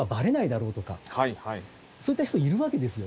そういった人いるわけですよ。